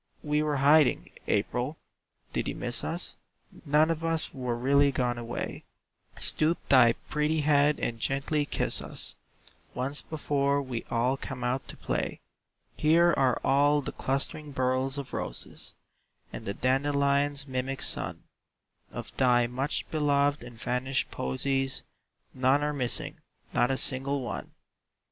"We were hiding, April. Did you miss us? None of us were really gone away; Stoop thy pretty head and gently kiss us Once before we all come out to play. "Here are all the clustering burls of roses, And the dandelion's mimic sun; Of thy much beloved and vanished posies None are missing, not a single one!"